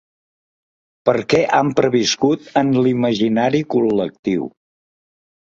Perquè han perviscut en l’imaginari col·lectiu.